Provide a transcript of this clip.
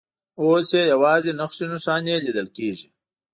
اوس یې یوازې نښې نښانې لیدل کېږي.